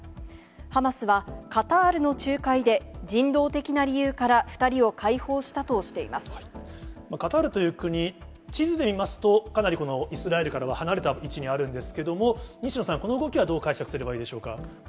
ハマスはカタールの仲介で、人道的な理由から、２人を解放しカタールという国、地図で見ますと、かなりイスラエルからは離れた位置にあるんですけども、西野さん、この動きはどう解釈すればいいでしょうか。